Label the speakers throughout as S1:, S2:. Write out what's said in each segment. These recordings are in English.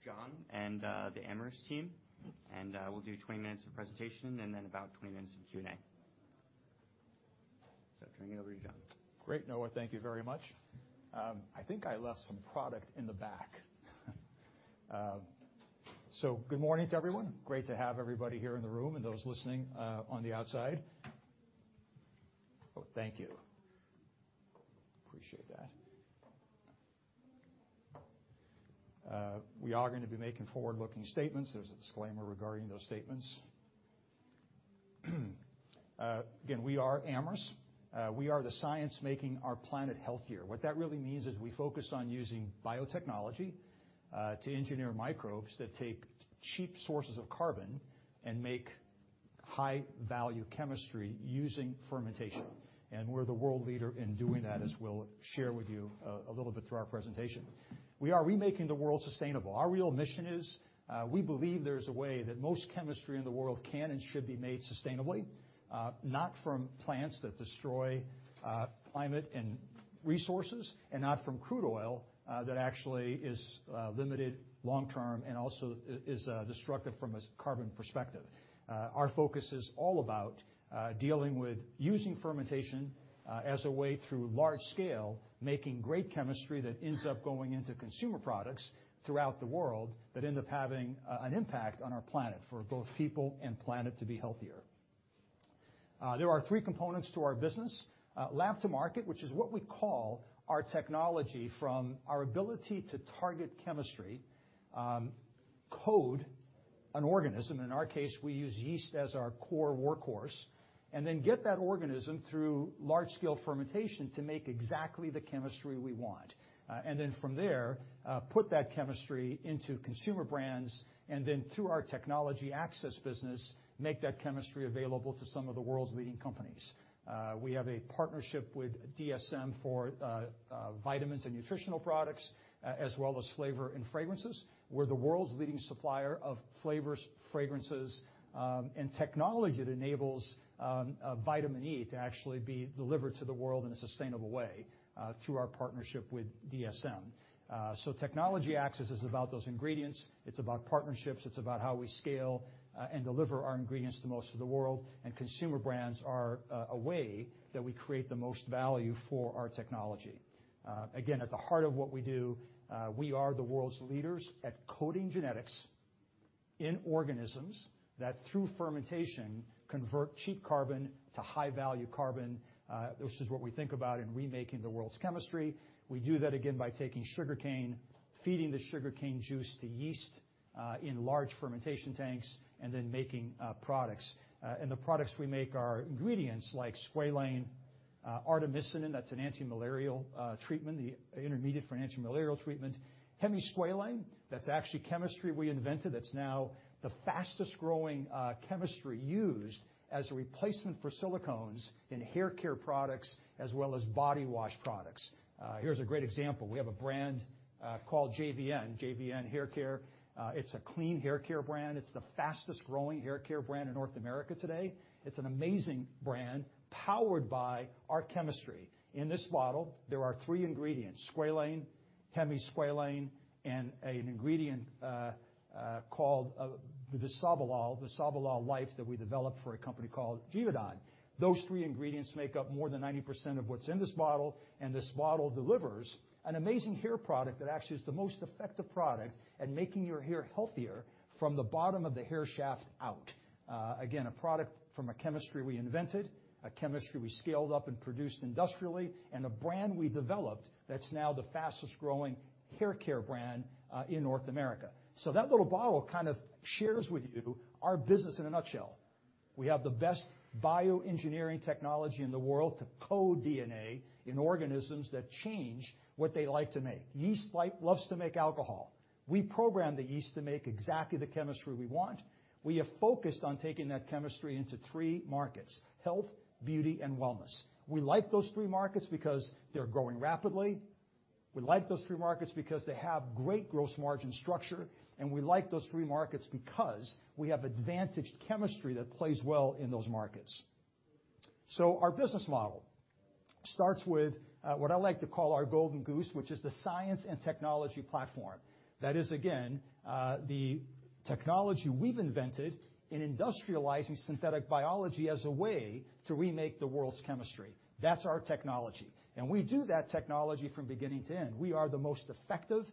S1: Hi. Thanks. It's my pleasure to introduce John and the Amyris team. We'll do 20 minutes of presentation and then about 20 minutes of Q&A. Turning it over to you, John.
S2: Great, Noah. Thank you very much. I think I left some product in the back. Good morning to everyone. Great to have everybody here in the room and those listening on the outside. Oh, thank you. Appreciate that. We are gonna be making forward-looking statements. There's a disclaimer regarding those statements. Again, we are Amyris. We are the science making our planet healthier. What that really means is we focus on using biotechnology to engineer microbes that take cheap sources of carbon and make high-value chemistry using fermentation. We're the world leader in doing that, as we'll share with you a little bit through our presentation. We are remaking the world sustainable. Our real mission is, we believe there's a way that most chemistry in the world can and should be made sustainably not from plants that destroy climate and resources and not from crude oil that actually is limited long term and also is destructive from a carbon perspective. Our focus is all about dealing with using fermentation as a way through large scale, making great chemistry that ends up going into consumer products throughout the world that end up having an impact on our planet for both people and planet to be healthier. There are three components to our business. Lab-to-Market, which is what we call our technology from our ability to target chemistry, code an organism. In our case, we use yeast as our core workhorse, and then get that organism through large scale fermentation to make exactly the chemistry we want. From there, put that chemistry into consumer brands and then through our technology access business, make that chemistry available to some of the world's leading companies. We have a partnership with DSM for vitamins and nutritional products, as well as flavor and fragrances. We're the world's leading supplier of flavors, fragrances, and technology that enables Vitamin E to actually be delivered to the world in a sustainable way through our partnership with DSM. Technology access is about those ingredients. It's about partnerships. It's about how we scale and deliver our ingredients to most of the world. Consumer brands are a way that we create the most value for our technology. Again, at the heart of what we do, we are the world's leaders at coding genetics in organisms that through fermentation, convert cheap carbon to high-value carbon, which is what we think about in remaking the world's chemistry. We do that again by taking sugarcane, feeding the sugarcane juice to yeast in large fermentation tanks, and then making products. The products we make are ingredients like Squalane, Artemisinin, that's an antimalarial treatment, the intermediate for an antimalarial treatment. Hemisqualane, that's actually chemistry we invented that's now the fastest growing chemistry used as a replacement for silicones in hair care products as well as body wash products. Here's a great example. We have a brand called JVN Hair Care. It's a clean hair care brand. It's the fastest growing hair care brand in North America today. It's an amazing brand powered by our chemistry. In this bottle, there are three ingredients, Squalane, Hemisqualane, and an ingredient called BisaboLife that we developed for a company called Givaudan. Those three ingredients make up more than 90% of what's in this bottle, and this bottle delivers an amazing hair product that actually is the most effective product at making your hair healthier from the bottom of the hair shaft out. Again, a product from a chemistry we invented, a chemistry we scaled up and produced industrially, and a brand we developed that's now the fastest growing hair care brand in North America. That little bottle kind of shares with you our business in a nutshell. We have the best bioengineering technology in the world to code DNA in organisms that change what they like to make. Yeast loves to make alcohol. We program the yeast to make exactly the chemistry we want. We have focused on taking that chemistry into three markets: health, beauty, and wellness. We like those three markets because they're growing rapidly. We like those three markets because they have great gross margin structure. We like those three markets because we have advantaged chemistry that plays well in those markets. Our business model starts with what I like to call our golden goose, which is the science and technology platform. That is, again, the technology we've invented in industrializing synthetic biology as a way to remake the world's chemistry. That's our technology. We do that technology from beginning to end. We are the most effective,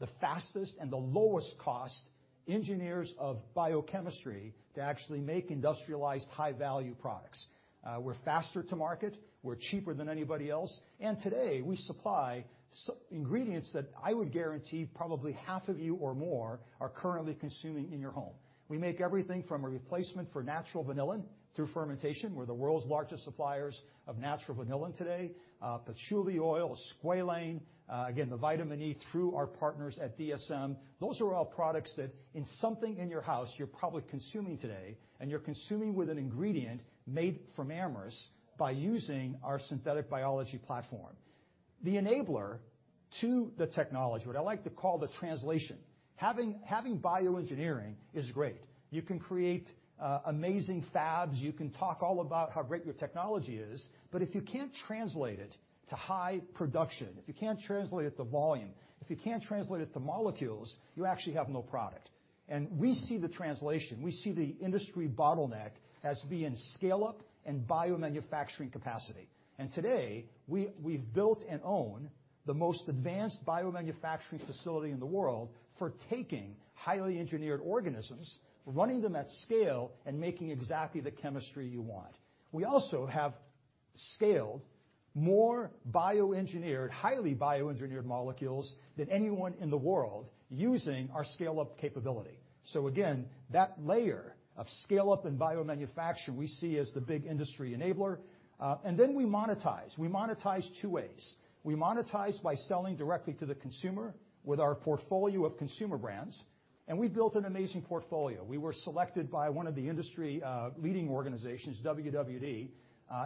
S2: the fastest, and the lowest cost engineers of biochemistry to actually make industrialized high-value products. We're faster to market, we're cheaper than anybody else, and today we supply ingredients that I would guarantee probably half of you or more are currently consuming in your home. We make everything from a replacement for natural vanillin through fermentation. We're the world's largest suppliers of natural vanillin today. Patchouli oil, Squalane, again, the Vitamin E through our partners at DSM. Those are all products that in something in your house you're probably consuming today, and you're consuming with an ingredient made from Amyris by using our synthetic biology platform. The technology what I like to call the translation. Having bioengineering is great. You can create amazing fabs. You can talk all about how great your technology is, if you can't translate it to high production, if you can't translate it to volume, if you can't translate it to molecules, you actually have no product. We see the translation. We see the industry bottleneck as being scale-up and biomanufacturing capacity. Today, we've built and own the most advanced biomanufacturing facility in the world for taking highly engineered organisms, running them at scale, and making exactly the chemistry you want. We also have scaled more bioengineered, highly bioengineered molecules than anyone in the world using our scale-up capability. Again, that layer of scale-up and biomanufacturing we see as the big industry enabler. Then we monetize. We monetize two ways. We monetize by selling directly to the consumer with our portfolio of consumer brands, we built an amazing portfolio. We were selected by one of the industry, leading organizations, WWD,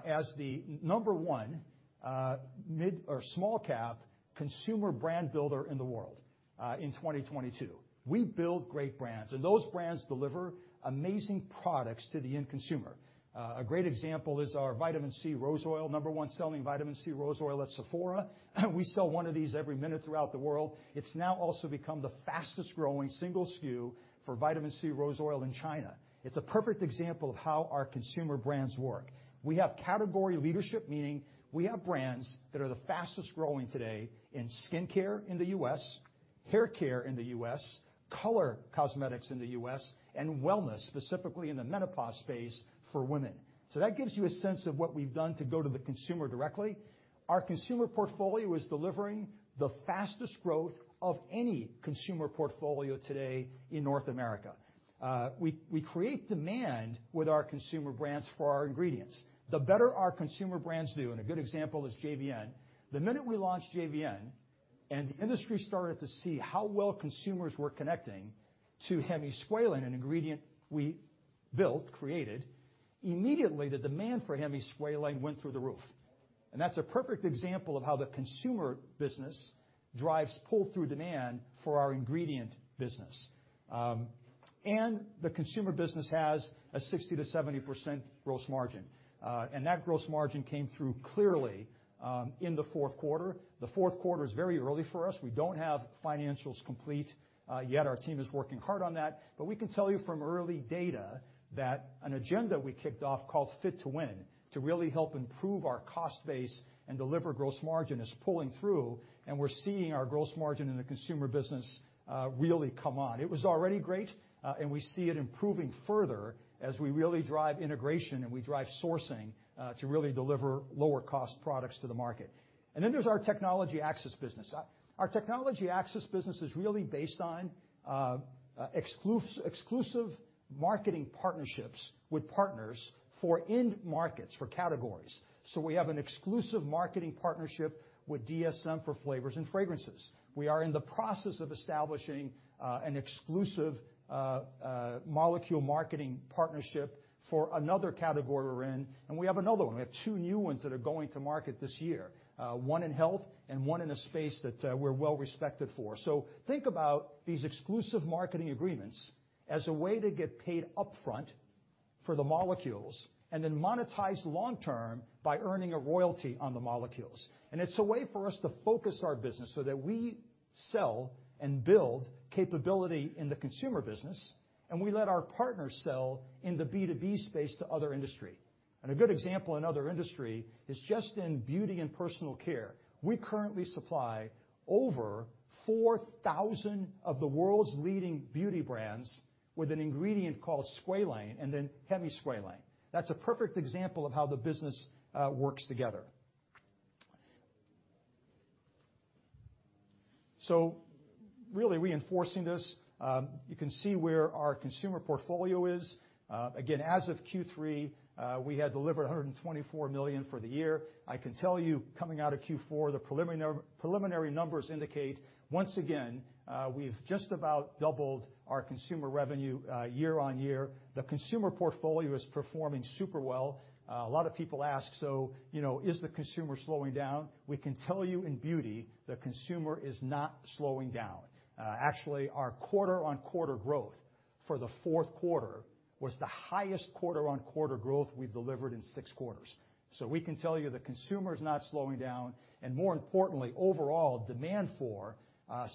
S2: as the number one, mid or small cap consumer brand builder in the world, in 2022. We build great brands, and those brands deliver amazing products to the end consumer. A great example is our Vitamin C Rose Oil, number 1 selling Vitamin C Rose Oil at Sephora. We sell one of these every minute throughout the world. It's now also become the fastest growing single SKU for Vitamin C Rose Oil in China. It's a perfect example of how our consumer brands work. We have category leadership, meaning we have brands that are the fastest growing today in skincare in the U.S., hair care in the U.S., color cosmetics in the U.S., and wellness, specifically in the menopause space for women. That gives you a sense of what we've done to go to the consumer directly. Our consumer portfolio is delivering the fastest growth of any consumer portfolio today in North America. We create demand with our consumer brands for our ingredients. The better our consumer brands do, and a good example is JVN. The minute we launched JVN and the industry started to see how well consumers were connecting to Hemisqualane, an ingredient we built, created, immediately the demand for Hemisqualane went through the roof. That's a perfect example of how the consumer business drives pull-through demand for our ingredient business. The consumer business has a 60%-70% gross margin, and that gross margin came through clearly in the fourth quarter. The fourth quarter is very early for us. We don't have financials complete yet. Our team is working hard on that. We can tell you from early data that an agenda we kicked off called Fit to Win to really help improve our cost base and deliver gross margin is pulling through, and we're seeing our gross margin in the consumer business really come on. It was already great, and we see it improving further as we really drive integration and we drive sourcing to really deliver lower cost products to the market. There's our technology access business. Our technology access business is really based on exclusive marketing partnerships with partners for end markets, for categories. We have an exclusive marketing partnership with DSM for flavors and fragrances. We are in the process of establishing an exclusive molecule marketing partnership for another category we're in, and we have another one. We have two new ones that are going to market this year. One in health and one in a space that we're well-respected for. Think about these exclusive marketing agreements as a way to get paid upfront for the molecules and then monetize long term by earning a royalty on the molecules. It's a way for us to focus our business so that we sell and build capability in the consumer business, and we let our partners sell in the B2B space to other industry. A good example in other industry is just in beauty and personal care. We currently supply over 4,000 of the world's leading beauty brands with an ingredient called Squalane and then Hemisqualane. That's a perfect example of how the business works together. Really reinforcing this, you can see where our consumer portfolio is. Again, as of Q3, we had delivered $124 million for the year. I can tell you coming out of Q4, the preliminary numbers indicate once again, we've just about doubled our consumer revenue year-on-year. The consumer portfolio is performing super well. A lot of people ask, so, you know, is the consumer slowing down? We can tell you in beauty, the consumer is not slowing down. Actually, our quarter-on-quarter growth for the fourth quarter was the highest quarter-on-quarter growth we've delivered in six quarters. We can tell you the consumer is not slowing down, and more importantly, overall demand for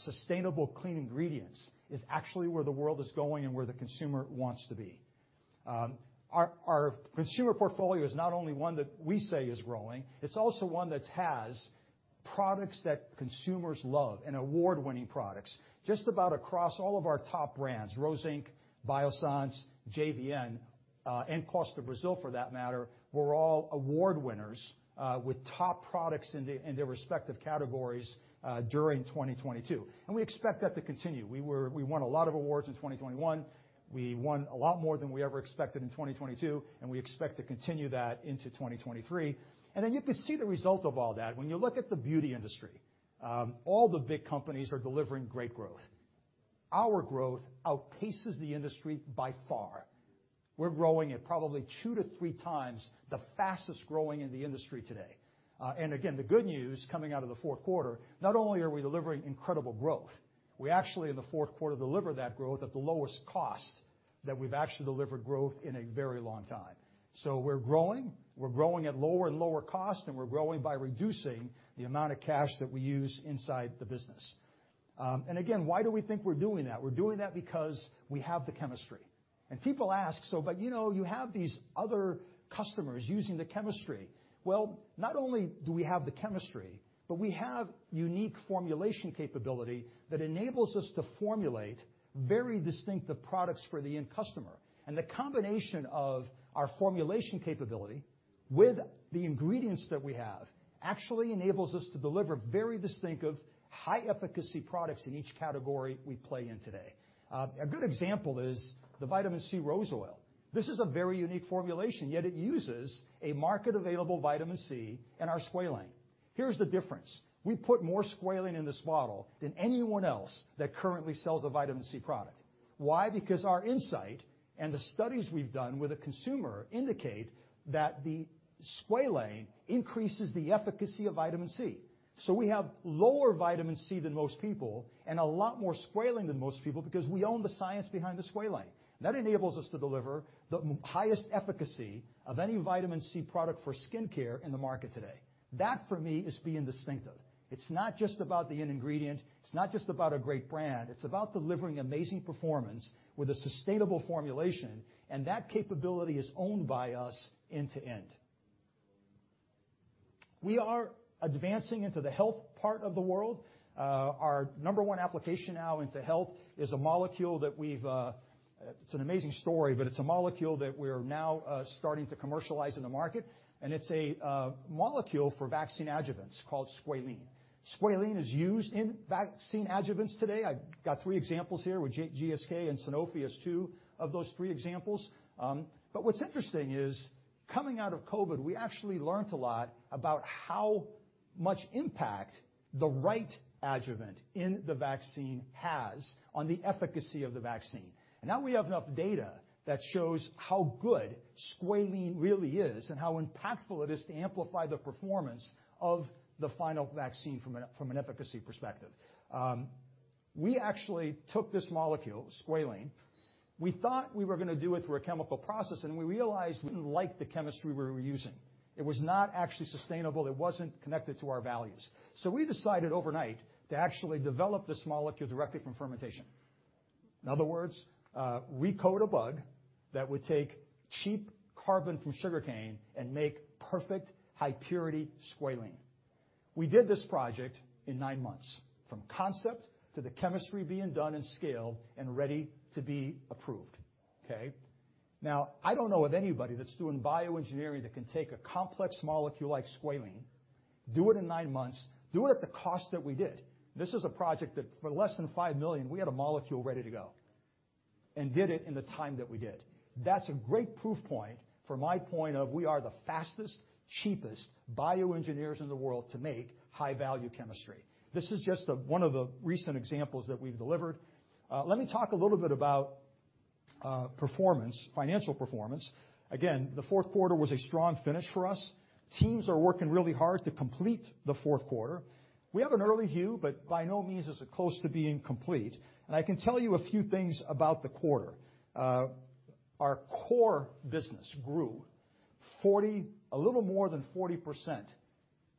S2: sustainable clean ingredients is actually where the world is going and where the consumer wants to be. Our consumer portfolio is not only one that we say is growing, it's also one that has products that consumers love and award-winning products. Just about across all of our top brands, Rose Inc., Biossance, JVN, and Costa Brazil for that matter, were all award winners with top products in their respective categories during 2022. We expect that to continue. We won a lot of awards in 2021. We won a lot more than we ever expected in 2022, and we expect to continue that into 2023. You can see the result of all that. When you look at the beauty industry, all the big companies are delivering great growth. Our growth outpaces the industry by far. We're growing at probably two to three times the fastest-growing in the industry today. Again, the good news coming out of the fourth quarter, not only are we delivering incredible growth, we actually in the fourth quarter delivered that growth at the lowest cost that we've actually delivered growth in a very long time. We're growing, we're growing at lower and lower cost, and we're growing by reducing the amount of cash that we use inside the business. Again, why do we think we're doing that? We're doing that because we have the chemistry. People ask, "So, but, you know, you have these other customers using the chemistry." Well, not only do we have the chemistry, but we have unique formulation capability that enables us to formulate very distinctive products for the end customer. The combination of our formulation capability with the ingredients that we have actually enables us to deliver very distinctive, high-efficacy products in each category we play in today. A good example is the Vitamin C Rose Oil. This is a very unique formulation, yet it uses a market-available Vitamin C and our Squalane. Here's the difference. We put more Squalane in this bottle than anyone else that currently sells a Vitamin C product. Why? Because our insight and the studies we've done with the consumer indicate that the Squalane increases the efficacy of Vitamin C. We have lower Vitamin C than most people and a lot more Squalane than most people because we own the science behind the Squalane. That enables us to deliver the highest efficacy of any Vitamin C product for skincare in the market today. That for me is being distinctive. It's not just about the end ingredient. It's not just about a great brand. It's about delivering amazing performance with a sustainable formulation. That capability is owned by us end to end. We are advancing into the health part of the world. Our number one application now into health is a molecule. It's an amazing story, but it's a molecule that we're now starting to commercialize in the market, and it's a molecule for vaccine adjuvants called Squalene. Squalene is used in vaccine adjuvants today. I've got three examples here with GSK and Sanofi as two of those three examples. What's interesting is, coming out of COVID, we actually learned a lot about how much impact the right adjuvant in the vaccine has on the efficacy of the vaccine. Now we have enough data that shows how good Squalene really is and how impactful it is to amplify the performance of the final vaccine from an efficacy perspective. We actually took this molecule, Squalene, we thought we were gonna do it through a chemical process. We realized we didn't like the chemistry we were using. It was not actually sustainable. It wasn't connected to our values. We decided overnight to actually develop this molecule directly from fermentation. In other words, we code a bug that would take cheap carbon from sugarcane and make perfect high-purity Squalene. We did this project in nine months, from concept to the chemistry being done and scaled and ready to be approved, okay. I don't know of anybody that's doing bioengineering that can take a complex molecule like Squalene, do it in nine months, do it at the cost that we did. This is a project that for less than $5 million, we had a molecule ready to go and did it in the time that we did. That's a great proof point for my point of we are the fastest, cheapest bioengineers in the world to make high-value chemistry. This is just one of the recent examples that we've delivered. Let me talk a little bit about performance, financial performance. The fourth quarter was a strong finish for us. Teams are working really hard to complete the fourth quarter. We have an early view, but by no means is it close to being complete. I can tell you a few things about the quarter. Our core business grew a little more than 40%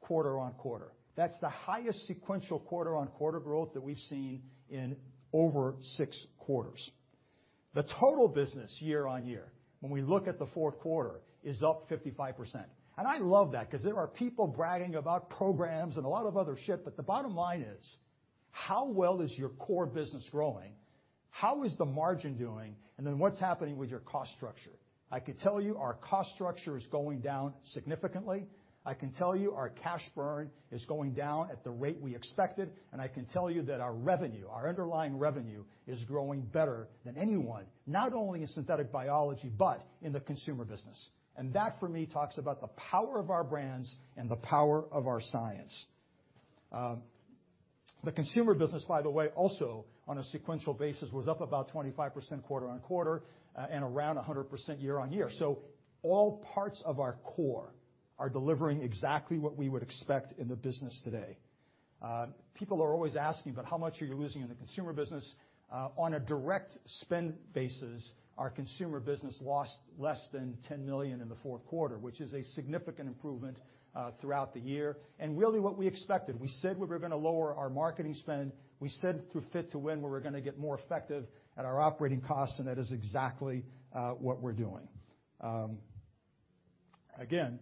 S2: quarter-on-quarter. That's the highest sequential quarter-on-quarter growth that we've seen in over six quarters. The total business year-on-year, when we look at the fourth quarter, is up 55%. I love that because there are people bragging about programs and a lot of other but the bottom line is, how well is your core business growing? How is the margin doing? What's happening with your cost structure? I could tell you our cost structure is going down significantly. I can tell you our cash burn is going down at the rate we expected, I can tell you that our revenue, our underlying revenue, is growing better than anyone, not only in synthetic biology, but in the consumer business. That, for me, talks about the power of our brands and the power of our science. The consumer business, by the way, also on a sequential basis, was up about 25% quarter-over-quarter, and around 100% year-over-year. All parts of our core are delivering exactly what we would expect in the business today. People are always asking, "How much are you losing in the consumer business?" On a direct spend basis, our consumer business lost less than $10 million in the fourth quarter, which is a significant improvement, throughout the year, and really what we expected. We said we were gonna lower our marketing spend. We said through Fit to Win, we were gonna get more effective at our operating costs, that is exactly what we're doing. Again,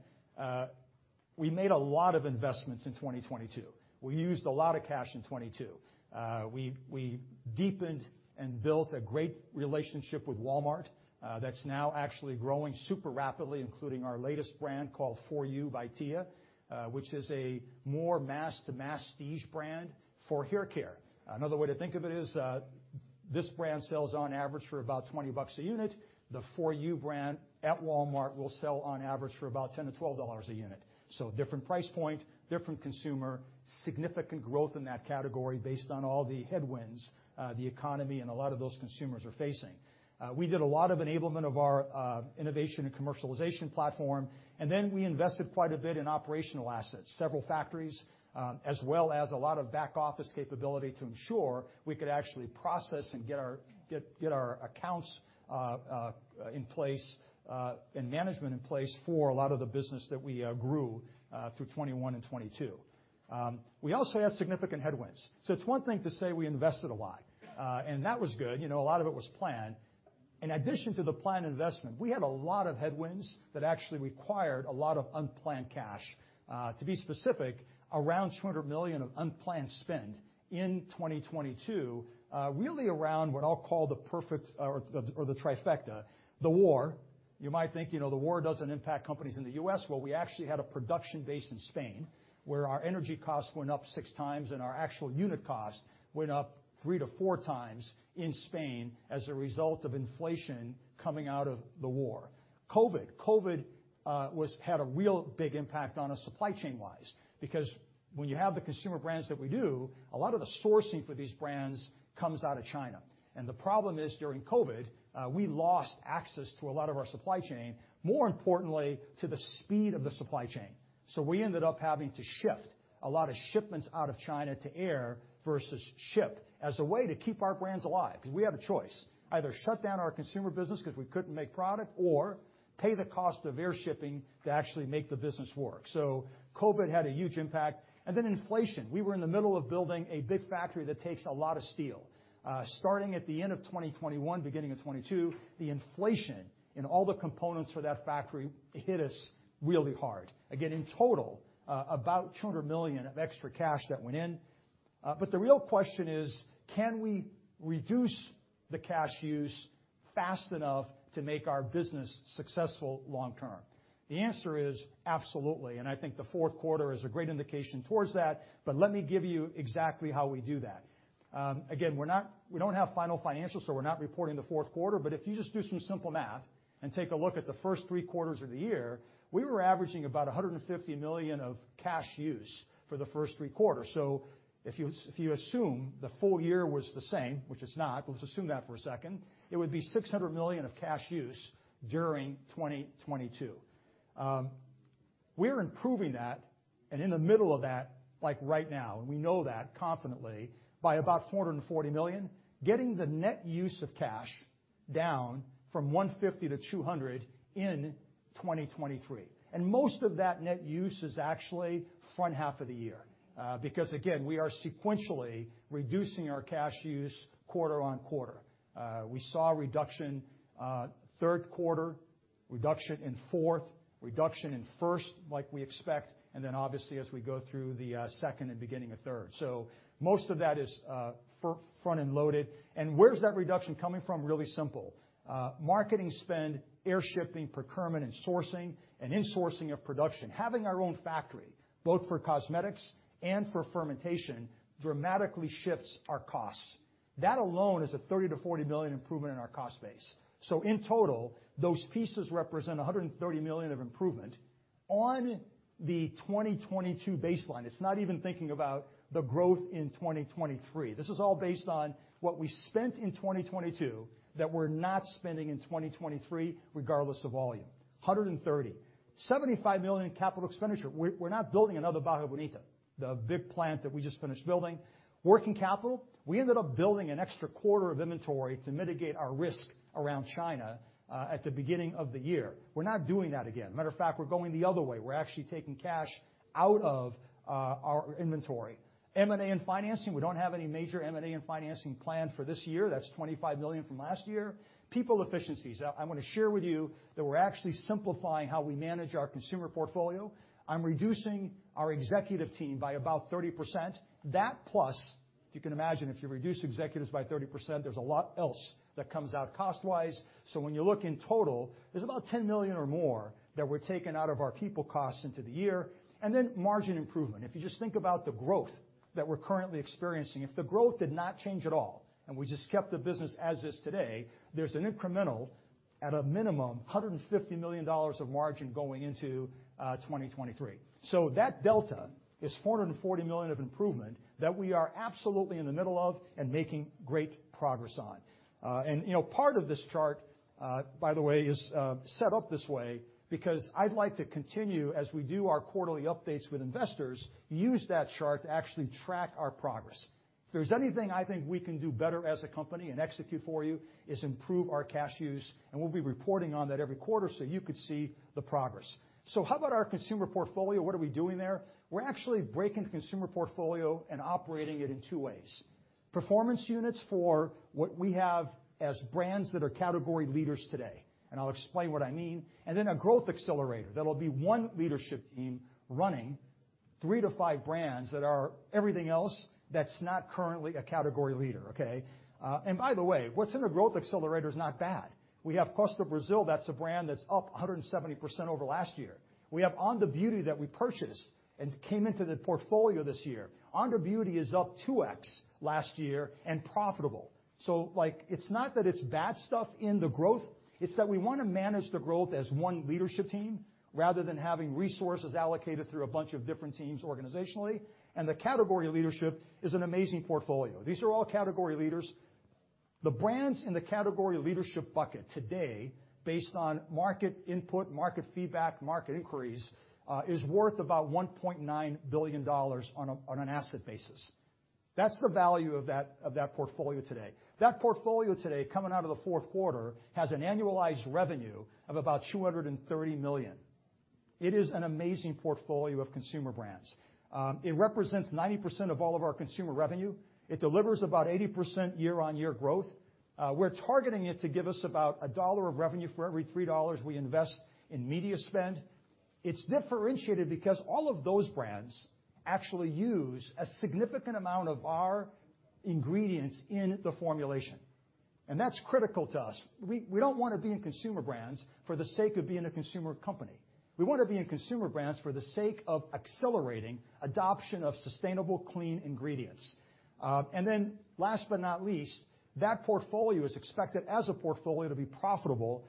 S2: we made a lot of investments in 2022. We used a lot of cash in 2022. We deepened and built a great relationship with Walmart, that's now actually growing super rapidly, including our latest brand called 4U by Tia, which is a more mass to masstige brand for haircare. Another way to think of it is, this brand sells on average for about $20 a unit. The 4U brand at Walmart will sell on average for about $10-$12 a unit. Different price point, different consumer, significant growth in that category based on all the headwinds, the economy and a lot of those consumers are facing. We did a lot of enablement of our innovation and commercialization platform, and then we invested quite a bit in operational assets, several factories, as well as a lot of back-office capability to ensure we could actually process and get our accounts in place and management in place for a lot of the business that we grew through 2021 and 2022. We also had significant headwinds. It's one thing to say we invested a lot, and that was good. You know, a lot of it was planned. In addition to the planned investment, we had a lot of headwinds that actually required a lot of unplanned cash. To be specific, around $200 million of unplanned spend in 2022, really around what I'll call the perfect or the trifecta. The war, you might think, you know, the war doesn't impact companies in the U.S. Well, we actually had a production base in Spain where our energy costs went up 6 times and our actual unit cost went up 3-4 times in Spain as a result of inflation coming out of the war. COVID. COVID had a real big impact on us supply chain-wise, because when you have the consumer brands that we do, a lot of the sourcing for these brands comes out of China. The problem is during COVID, we lost access to a lot of our supply chain, more importantly to the speed of the supply chain. We ended up having to shift a lot of shipments out of China to air versus ship as a way to keep our brands alive, because we had a choice. Either shut down our consumer business because we couldn't make product or pay the cost of air shipping to actually make the business work. COVID had a huge impact. Then inflation. We were in the middle of building a big factory that takes a lot of steel. Starting at the end of 2021, beginning of 2022, the inflation in all the components for that factory hit us really hard. Again, in total, about $200 million of extra cash that went in. The real question is, can we reduce the cash use fast enough to make our business successful long term? The answer is absolutely, and I think the fourth quarter is a great indication towards that. Let me give you exactly how we do that. Again, we don't have final financials, so we're not reporting the fourth quarter. If you just do some simple math and take a look at the first three quarters of the year, we were averaging about $150 million of cash use for the first three quarters. If you assume the full year was the same, which it's not, but let's assume that for a second, it would be $600 million of cash use during 2022. We're improving that and in the middle of that, like right now, and we know that confidently by about $440 million, getting the net use of cash down from $150 to $200 in 2023. Most of that net use is actually front half of the year. Because again, we are sequentially reducing our cash use quarter on quarter. We saw a reduction, third quarter, reduction in fourth, reduction in first, like we expect, and then obviously as we go through the second and beginning of third. Most of that is front-end loaded. Where's that reduction coming from? Really simple. Marketing spend, air shipping, procurement and sourcing and insourcing of production. Having our own factory, both for cosmetics and for fermentation, dramatically shifts our costs. That alone is a $30 million-$40 million improvement in our cost base. In total, those pieces represent $130 million of improvement on the 2022 baseline. It's not even thinking about the growth in 2023. This is all based on what we spent in 2022 that we're not spending in 2023, regardless of volume. $130 million. $75 million in CapEx. We're not building another Barra Bonita, the big plant that we just finished building. Working capital, we ended up building an extra quarter of inventory to mitigate our risk around China at the beginning of the year. We're not doing that again. Matter of fact, we're going the other way. We're actually taking cash out of our inventory. M&A and financing, we don't have any major M&A and financing planned for this year. That's $25 million from last year. People efficiencies. I wanna share with you that we're actually simplifying how we manage our consumer portfolio. I'm reducing our executive team by about 30%. That plus, if you can imagine, if you reduce executives by 30%, there's a lot else that comes out cost-wise. When you look in total, there's about $10 million or more that we're taking out of our people costs into the year. Margin improvement. If you just think about the growth that we're currently experiencing, if the growth did not change at all and we just kept the business as is today, there's an incremental, at a minimum, $150 million of margin going into 2023. That delta is $440 million of improvement that we are absolutely in the middle of and making great progress on. You know, part of this chart, by the way, is set up this way because I'd like to continue as we do our quarterly updates with investors, use that chart to actually track our progress. If there's anything I think we can do better as a company and execute for you is improve our cash use, and we'll be reporting on that every quarter, so you could see the progress. How about our consumer portfolio? What are we doing there? We're actually breaking consumer portfolio and operating it in two ways. Performance units for what we have as brands that are category leaders today, and I'll explain what I mean. Then a growth accelerator. That'll be one leadership team running three to five brands that are everything else that's not currently a category leader, okay? By the way, what's in the growth accelerator is not bad. We have Costa Brazil, that's a brand that's up 170% over last year. We have Onda Beauty that we purchased and came into the portfolio this year. Onda Beauty is up 2x last year and profitable. Like, it's not that it's bad stuff in the growth, it's that we wanna manage the growth as one leadership team rather than having resources allocated through a bunch of different teams organizationally, and the category leadership is an amazing portfolio. These are all category leaders. The brands in the category leadership bucket today, based on market input, market feedback, market inquiries, is worth about $1.9 billion on an asset basis. That's the value of that portfolio today. That portfolio today, coming out of the fourth quarter, has an annualized revenue of about $230 million. It is an amazing portfolio of consumer brands. It represents 90% of all of our consumer revenue. It delivers about 80% year-on-year growth. We're targeting it to give us about $1 of revenue for every $3 we invest in media spend. It's differentiated because all of those brands actually use a significant amount of our ingredients in the formulation, and that's critical to us. We don't wanna be in consumer brands for the sake of being a consumer company. We wanna be in consumer brands for the sake of accelerating adoption of sustainable, clean ingredients. And then last but not least, that portfolio is expected, as a portfolio, to be profitable,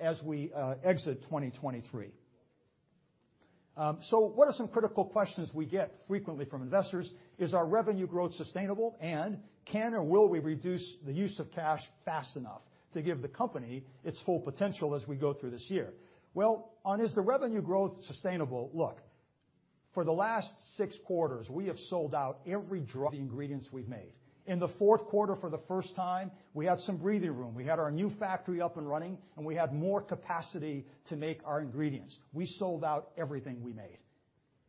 S2: as we exit 2023. What are some critical questions we get frequently from investors? Is our revenue growth sustainable? Can or will we reduce the use of cash fast enough to give the company its full potential as we go through this year? On is the revenue growth sustainable, look, for the last six quarters, we have sold out every dry ingredients we've made. In the fourth quarter for the first time, we had some breathing room. We had our new factory up and running, and we had more capacity to make our ingredients. We sold out everything we made.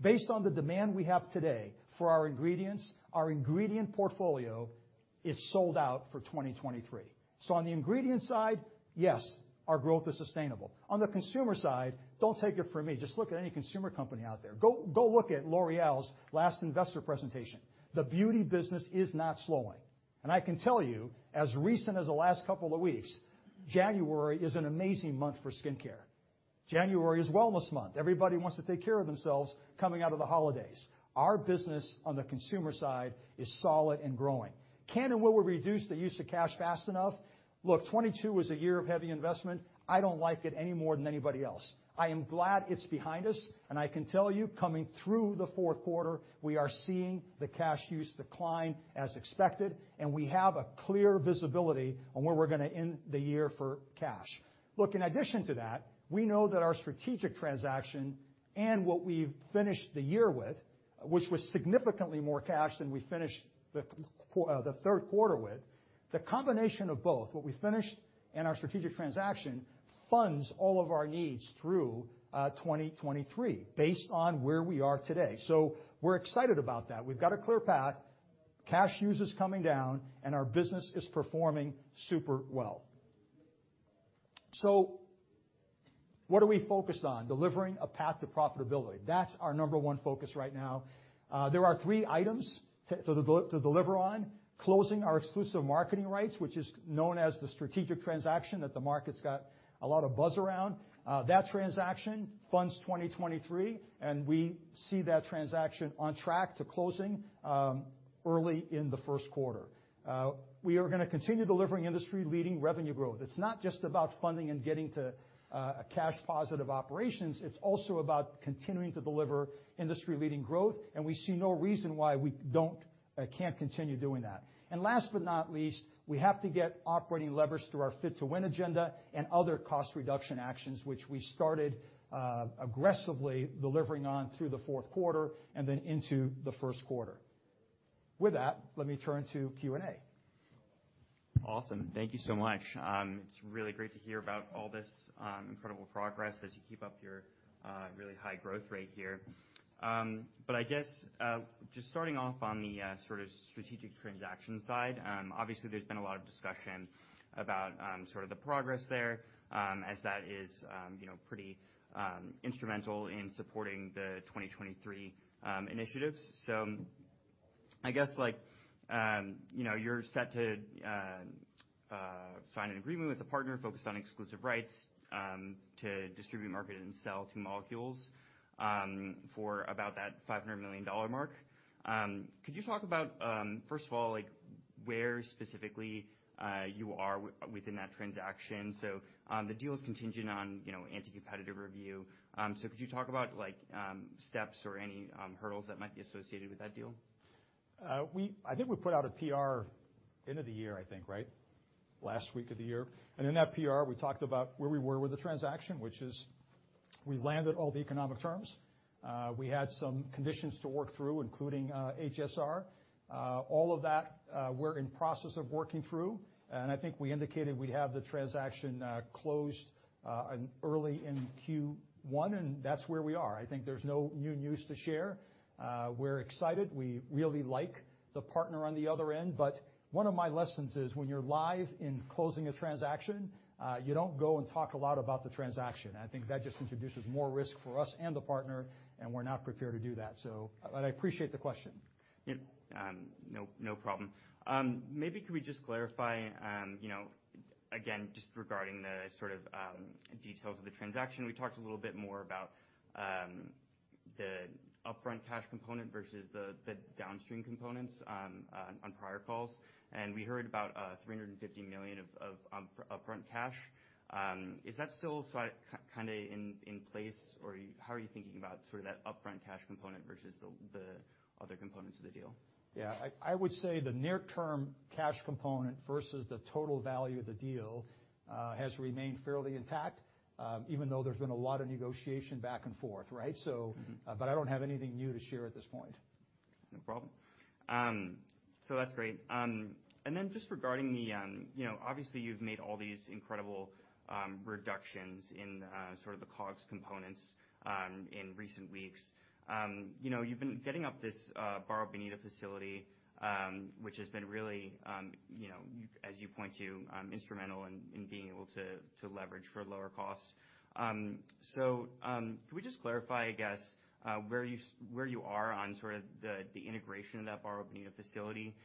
S2: Based on the demand we have today for our ingredients, our ingredient portfolio is sold out for 2023. On the ingredient side, yes, our growth is sustainable. On the consumer side, don't take it from me, just look at any consumer company out there. Go look at L'Oréal's last investor presentation. The beauty business is not slowing. I can tell you, as recent as the last couple of weeks, January is an amazing month for skincare. January is wellness month. Everybody wants to take care of themselves coming out of the holidays. Our business on the consumer side is solid and growing. Can and will we reduce the use of cash fast enough? Look, 2022 was a year of heavy investment. I don't like it any more than anybody else. I am glad it's behind us, and I can tell you, coming through the fourth quarter, we are seeing the cash use decline as expected, and we have a clear visibility on where we're gonna end the year for cash. Look, in addition to that, we know that our strategic transaction and what we've finished the year with, which was significantly more cash than we finished the third quarter with. The combination of both, what we finished and our strategic transaction, funds all of our needs through 2023 based on where we are today. We're excited about that. We've got a clear path. Cash use is coming down, and our business is performing super well. What are we focused on? Delivering a path to profitability. That's our number one focus right now. There are three items to deliver on. Closing our exclusive marketing rights, which is known as the strategic transaction that the market's got a lot of buzz around. That transaction funds 2023, and we see that transaction on track to closing early in the first quarter. We are gonna continue delivering industry-leading revenue growth. It's not just about funding and getting to a cash positive operations, it's also about continuing to deliver industry-leading growth, and we see no reason why we don't or can't continue doing that. Last but not least, we have to get operating leverage through our Fit to Win agenda and other cost reduction actions which we started, aggressively delivering on through the fourth quarter and then into the first quarter. With that, let me turn to Q&A.
S1: Awesome. Thank you so much. It's really great to hear about all this incredible progress as you keep up your really high growth rate here. I guess, just starting off on the sort of strategic transaction side, obviously there's been a lot of discussion about sort of the progress there, as that is, you know, pretty instrumental in supporting the 2023 initiatives. I guess like, you know, you're set to sign an agreement with a partner focused on exclusive rights to distribute, market, and sell two molecules for about that $500 million mark. Could you talk about, first of all, like where specifically you are within that transaction? The deal is contingent on, you know, anti-competitive review. Could you talk about like, steps or any, hurdles that might be associated with that deal?
S2: I think we put out a PR end of the year, I think, right? Last week of the year. In that PR, we talked about where we were with the transaction, which is we landed all the economic terms. We had some conditions to work through, including HSR. All of that, we're in process of working through, and I think we indicated we'd have the transaction closed in early in Q1, and that's where we are. I think there's no new news to share. We're excited. We really like the partner on the other end, one of my lessons is when you're live in closing a transaction, you don't go and talk a lot about the transaction. I think that just introduces more risk for us and the partner, we're not prepared to do that. I appreciate the question.
S1: Yep, no problem. Maybe could we just clarify, you know, again, just regarding the sort of details of the transaction. We talked a little bit more about the upfront cash component versus the downstream components on prior calls, and we heard about $350 million of upfront cash. Is that still so kind of in place, or how are you thinking about sort of that upfront cash component versus the other components of the deal?
S2: Yeah. I would say the near term cash component versus the total value of the deal has remained fairly intact, even though there's been a lot of negotiation back and forth, right? I don't have anything new to share at this point.
S1: No problem. That's great. Then just regarding the, you know, obviously, you've made all these incredible reductions in sort of the COGS components in recent weeks. You know, you've been getting up this Barra Bonita facility, which has been really, you know, as you point to, instrumental in being able to leverage for lower costs. Could we just clarify, I guess, where you are on sort of the integration of that Barra Bonita facility?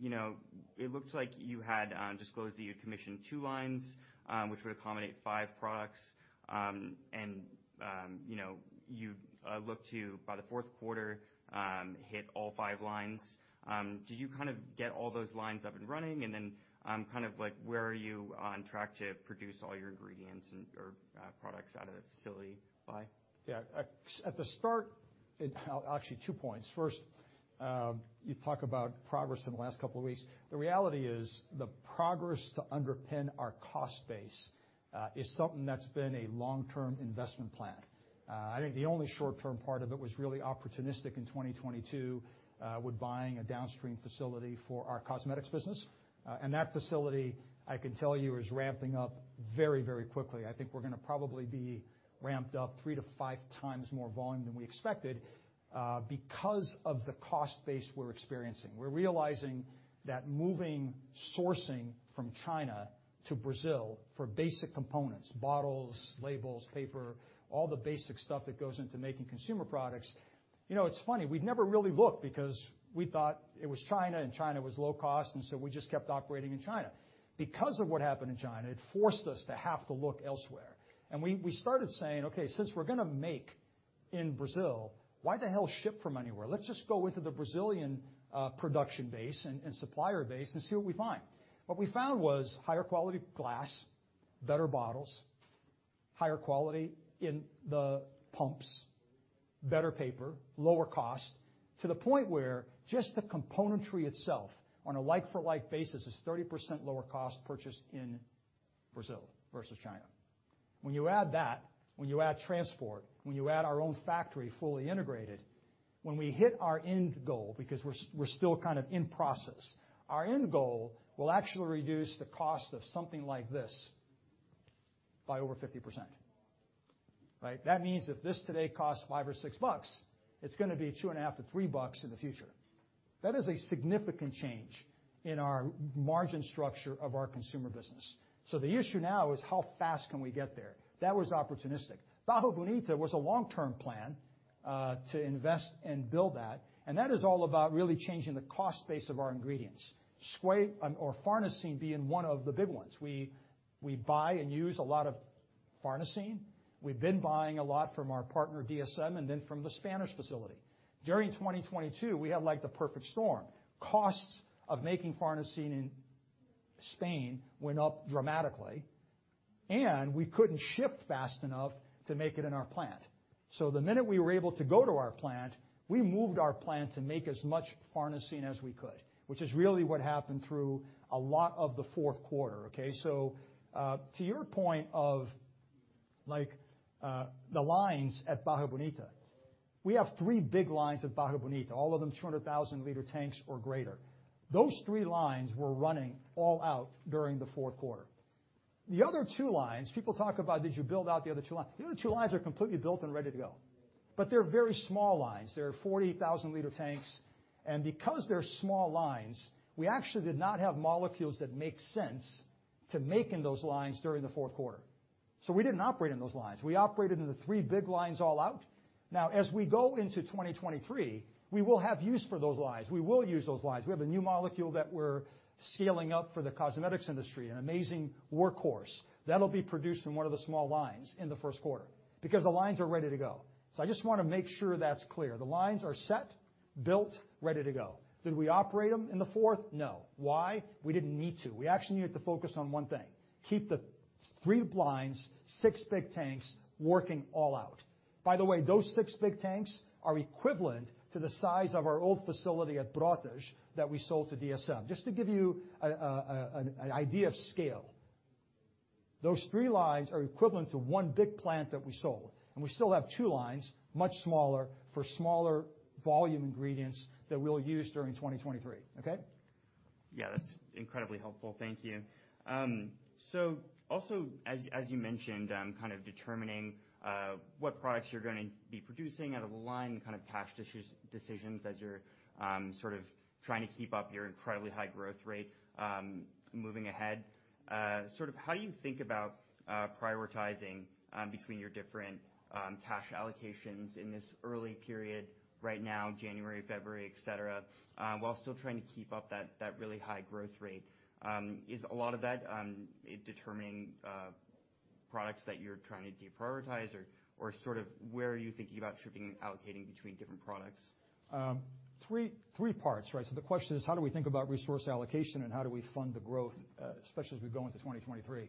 S1: You know, it looks like you had disclosed that you commissioned two lines, which would accommodate five products, you know, you look to, by the fourth quarter, hit all five lines. Did you get all those lines up and running and then where are you on track to produce all your ingredients and/or products out of the facility?
S2: At the start, actually two points. First, you talk about progress in the last couple of weeks. The reality is the progress to underpin our cost base is something that's been a long-term investment plan. I think the only short-term part of it was really opportunistic in 2022 with buying a downstream facility for our cosmetics business. That facility, I can tell you, is ramping up very, very quickly. I think we're gonna probably be ramped up 3 to 5 times more volume than we expected because of the cost base we're experiencing. We're realizing that moving sourcing from China to Brazil for basic components, bottles, labels, paper, all the basic stuff that goes into making consumer products. You know, it's funny, we'd never really looked because we thought it was China, and China was low cost, and so we just kept operating in China. Because of what happened in China, it forced us to have to look elsewhere. We started saying, "Okay, since we're gonna make in Brazil, why the hell ship from anywhere? Let's just go into the Brazilian, production base and supplier base and see what we find." What we found was higher quality glass, better bottles, higher quality in the pumps, better paper, lower cost, to the point where just the componentry itself on a like-for-like basis is 30% lower cost purchased in Brazil versus China. When you add that, when you add transport, when you add our own factory fully integrated, when we hit our end goal, because we're still kind of in process, our end goal will actually reduce the cost of something like this by over 50%. Right? That means if this today costs $5 or $6, it's going to be $2.50 to $3 in the future. That is a significant change in our margin structure of our consumer business. The issue now is how fast can we get there. That was opportunistic. Barra Bonita was a long-term plan to invest and build that, and that is all about really changing the cost base of our ingredients. Farnesene being one of the big ones. We buy and use a lot of farnesene. We've been buying a lot from our partner, DSM, and then from the Spanish facility. During 2022, we had like the perfect storm. Costs of making farnesene in Spain went up dramatically, and we couldn't ship fast enough to make it in our plant. The minute we were able to go to our plant, we moved our plant to make as much farnesene as we could, which is really what happened through a lot of the fourth quarter, okay? To your point of like, the lines at Barra Bonita, we have three big lines at Barra Bonita, all of them 200,000 liter tanks or greater. Those three lines were running all out during the fourth quarter. The other two lines, people talk about, did you build out the other two lines? The other two lines are completely built and ready to go, but they're very small lines. They're 40,000 liter tanks, and because they're small lines, we actually did not have molecules that make sense to make in those lines during the fourth quarter. We didn't operate in those lines. We operated in the three big lines all out. As we go into 2023, we will have use for those lines. We will use those lines. We have a new molecule that we're scaling up for the cosmetics industry, an amazing workhorse. That'll be produced in one of the small lines in the first quarter because the lines are ready to go. I just wanna make sure that's clear. The lines are set, built, ready to go. Did we operate them in the fourth? No. Why? We didn't need to. We actually needed to focus on one thing, keep the three blinds, six big tanks working all out. By the way, those six big tanks are equivalent to the size of our old facility at Brotas that we sold to DSM. Just to give you an idea of scale. Those three lines are equivalent to one big plant that we sold and we still have two lines, much smaller, for smaller volume ingredients that we'll use during 2023, okay?
S1: Yeah. That's incredibly helpful. Thank you. Also, as you mentioned, kind of determining what products you're going to be producing out of the line, kind of cash decisions as you're trying to keep up your incredibly high growth rate moving ahead. How do you think about prioritizing between your different cash allocations in this early period right now, January, February, et cetera, while still trying to keep up that really high growth rate? Is a lot of that determining products that you're trying to deprioritize or where are you thinking about shifting and allocating between different products?
S2: Three parts, right. The question is how do we think about resource allocation and how do we fund the growth, especially as we go into 2023.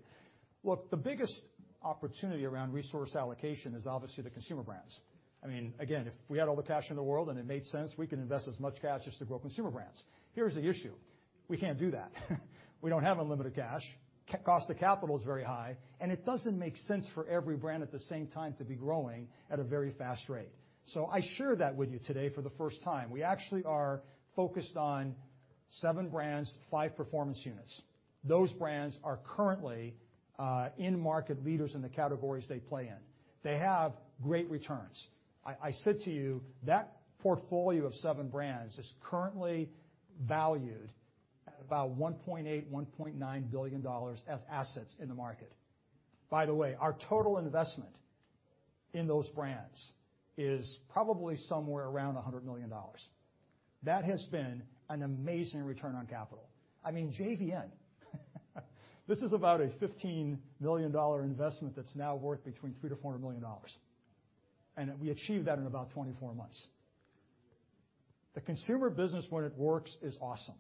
S2: Look, the biggest opportunity around resource allocation is obviously the consumer brands. I mean, again, if we had all the cash in the world and it made sense, we can invest as much cash just to grow consumer brands. Here's the issue: We can't do that. We don't have unlimited cash. Cost of capital is very high, and it doesn't make sense for every brand at the same time to be growing at a very fast rate. I share that with you today for the first time. We actually are focused on seven brands, five performance units. Those brands are currently in-market leaders in the categories they play in. They have great returns. I said to you, that portfolio of seven brands is currently valued at about $1.8 billion-$1.9 billion as assets in the market. By the way, our total investment in those brands is probably somewhere around $100 million. That has been an amazing return on capital. I mean, JVN, this is about a $15 million investment that's now worth between $3 million-$4 million, and we achieved that in about 24 months. The consumer business, when it works, is awesome.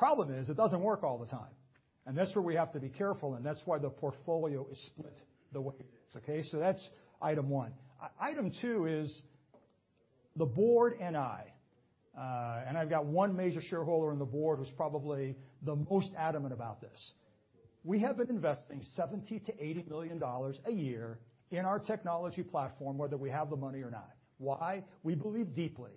S2: The problem is, it doesn't work all the time, and that's where we have to be careful, and that's why the portfolio is split the way it is. Okay? That's item one. Item two is the board and I, and I've got one major shareholder on the board who's probably the most adamant about this. We have been investing $70 million-$80 million a year in our technology platform, whether we have the money or not. Why? We believe deeply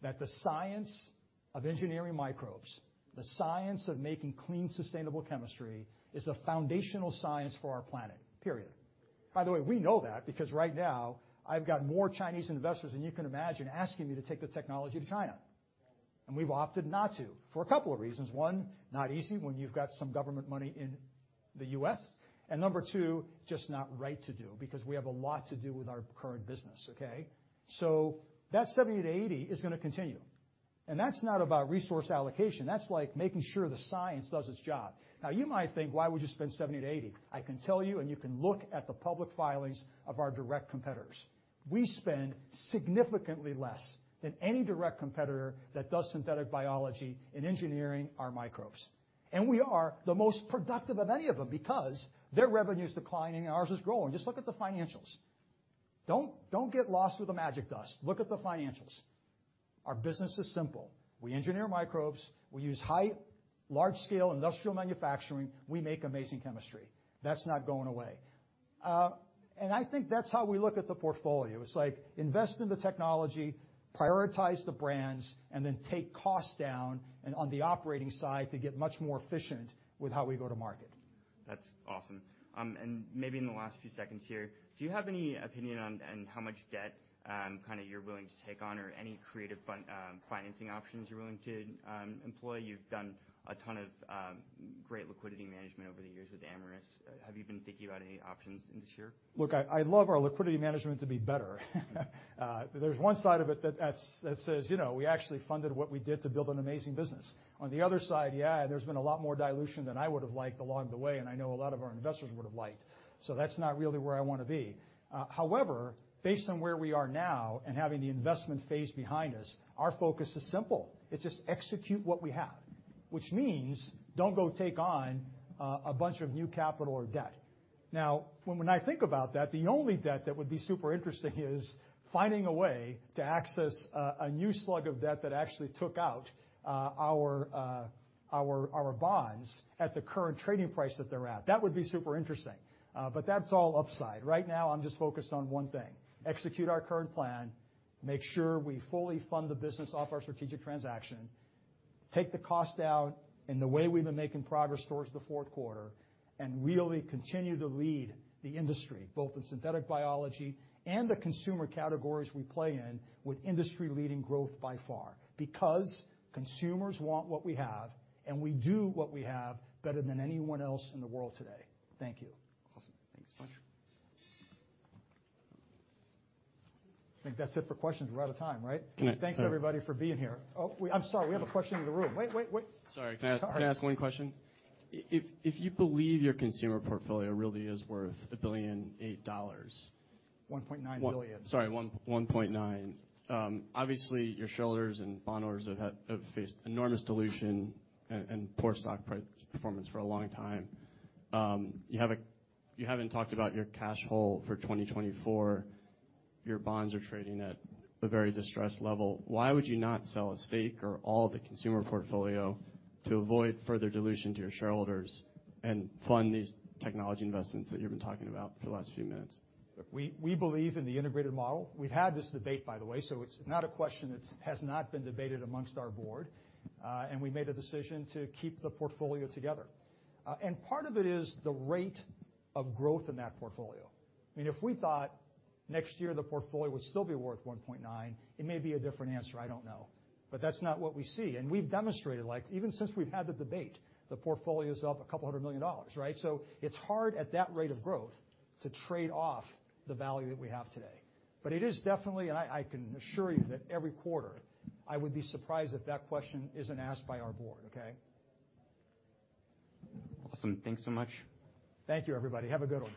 S2: that the science of engineering microbes, the science of making clean, sustainable chemistry is the foundational science for our planet, period. By the way, we know that because right now I've got more Chinese investors than you can imagine asking me to take the technology to China, and we've opted not to, for a couple of reasons. One, not easy when you've got some government money in the U.S. Number two, just not right to do because we have a lot to do with our current business. Okay? That $70 million-$80 million is gonna continue, and that's not about resource allocation. That's like making sure the science does its job. You might think, "Why would you spend $70-$80?" I can tell you, and you can look at the public filings of our direct competitors. We spend significantly less than any direct competitor that does synthetic biology in engineering our microbes, and we are the most productive of any of them because their revenue is declining and ours is growing. Just look at the financials. Don't get lost with the magic dust. Look at the financials. Our business is simple. We engineer microbes. We use high, large-scale industrial manufacturing. We make amazing chemistry. That's not going away. I think that's how we look at the portfolio. It's like invest in the technology, prioritize the brands, and then take costs down and on the operating side to get much more efficient with how we go to market.
S1: That's awesome. Maybe in the last few seconds here, do you have any opinion in how much debt, kind of you're willing to take on or any creative financing options you're willing to employ? You've done a ton of great liquidity management over the years with Amyris. Have you been thinking about any options in this year?
S2: Look, I'd love our liquidity management to be better. There's one side of it that says, you know, we actually funded what we did to build an amazing business. On the other side, yeah, there's been a lot more dilution than I would've liked along the way, and I know a lot of our investors would've liked. That's not really where I wanna be. Based on where we are now and having the investment phase behind us, our focus is simple. It's just execute what we have, which means don't go take on a bunch of new capital or debt. When I think about that, the only debt that would be super interesting is finding a way to access a new slug of debt that actually took out our bonds at the current trading price that they're at. That would be super interesting. That's all upside. Right now, I'm just focused on one thing: execute our current plan, make sure we fully fund the business off our strategic transaction, take the cost out in the way we've been making progress towards the fourth quarter, and really continue to lead the industry, both in synthetic biology and the consumer categories we play in with industry-leading growth by far. Consumers want what we have, and we do what we have better than anyone else in the world today. Thank you.
S1: Awesome. Thanks a bunch.
S2: I think that's it for questions. We're out of time, right? Thanks, everybody, for being here. I'm sorry. We have a question in the room. Wait.
S3: Sorry. Can I ask one question? If you believe your consumer portfolio really is worth $1.8 billion.
S2: $1.9 billion.
S3: Sorry, $1.9 billion. Obviously, your shareholders and bondholders have faced enormous dilution and poor stock price performance for a long time. You haven't talked about your cash hole for 2024. Your bonds are trading at a very distressed level. Why would you not sell a stake or all the consumer portfolio to avoid further dilution to your shareholders and fund these technology investments that you've been talking about for the last few minutes?
S2: Look, we believe in the integrated model. We've had this debate, by the way, so it's not a question that's has not been debated amongst our board. We made a decision to keep the portfolio together. Part of it is the rate of growth in that portfolio. I mean, if we thought next year the portfolio would still be worth $1.9 billion, it may be a different answer, I don't know. That's not what we see, and we've demonstrated, like, even since we've had the debate, the portfolio's up $200 million, right? It's hard at that rate of growth to trade off the value that we have today. It is definitely, and I can assure you that every quarter, I would be surprised if that question isn't asked by our board, okay?
S1: Awesome. Thanks so much.
S2: Thank you, everybody. Have a good one.